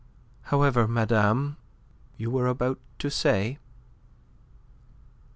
"However, madame, you were about to say?"